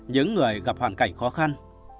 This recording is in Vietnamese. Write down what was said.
những người gặp hoàn cảnh khó khăn